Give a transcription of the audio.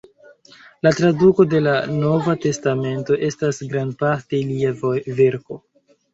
La traduko de la "Nova testamento" estas grandparte lia verko.